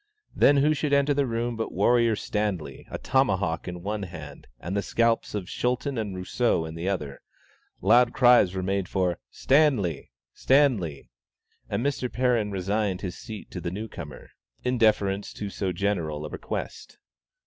Then who should enter the room but the warrior Stanley, tomahawk in one hand and the scalps of Schulten and Rousseau in the other. Loud cries were made for "Stanley! Stanley!" and Mr. Perrin resigned his seat to the new comer, in deference to so general a request.